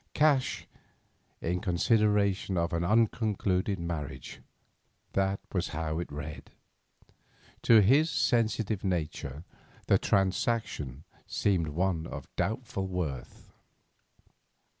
Cash in consideration of an unconcluded marriage; that was how it read. To his sensitive nature the transaction seemed one of doubtful worth.